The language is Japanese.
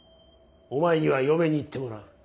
お前には嫁に行ってもらう。